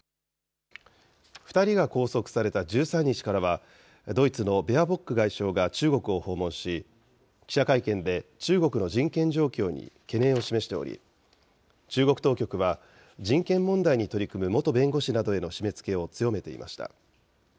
２人が拘束された１３日からは、ドイツのベアボック外相が中国を訪問し、記者会見で、中国の人権状況に懸念を示しており、中国当局は、人権問題に取り組む元弁護士などへの締めつけを強めていました。